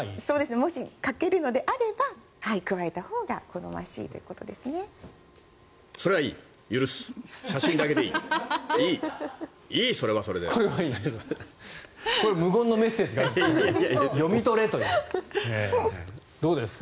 もし書けるのであれば加えたほうが好ましいということですね。